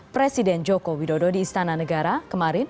presiden joko widodo di istana negara kemarin